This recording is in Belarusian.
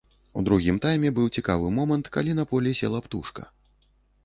У другім тайме быў цікавы момант, калі на поле села птушка.